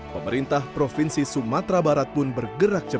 pemerintah provinsi sumatera barat pun bergerak cepat